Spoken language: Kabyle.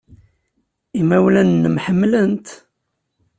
Imawlan-nnem ḥemmlen-t.